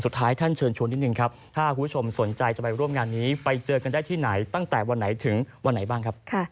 ท่านเชิญชวนนิดนึงครับถ้าคุณผู้ชมสนใจจะไปร่วมงานนี้ไปเจอกันได้ที่ไหนตั้งแต่วันไหนถึงวันไหนบ้างครับ